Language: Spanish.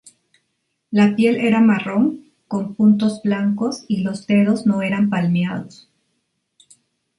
La piel era marrón, con puntos blancos, y los dedos no eran palmeados.